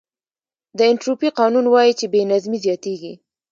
د انټروپي قانون وایي چې بې نظمي زیاتېږي.